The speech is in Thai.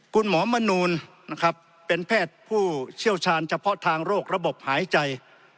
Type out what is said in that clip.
คุณหมอมนูลนะครับเป็นแพทย์ผู้เชี่ยวชาญเฉพาะทางโรคระบบหายใจ